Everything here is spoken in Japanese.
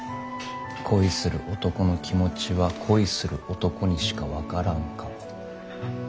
恋する男の気持ちは恋する男にしか分からんか。